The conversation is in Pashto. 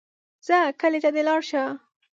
ځه کلي ته دې لاړ شه.